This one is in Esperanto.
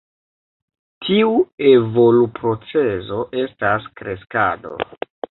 Tiu evoluprocezo estas kreskado.